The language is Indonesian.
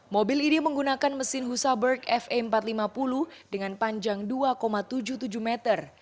mobil ini menggunakan mesin husaburg fe empat ratus lima puluh dengan panjang dua tujuh puluh tujuh meter